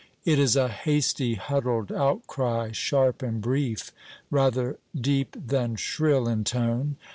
It is a hasty, huddled outcry, sharp and brief, rather deep than shrill in tone.